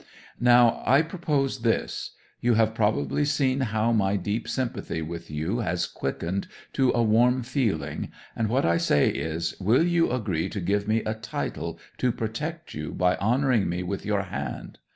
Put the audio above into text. Now I propose this. You have probably seen how my deep sympathy with you has quickened to a warm feeling; and what I say is, will you agree to give me a title to protect you by honouring me with your hand?